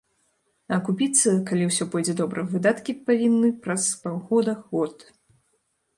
Акупіцца, калі ўсё пойдзе добра, выдаткі павінны праз паўгода-год.